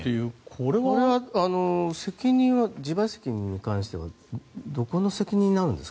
これは責任は自賠責に関してはどこの責任になるんですか？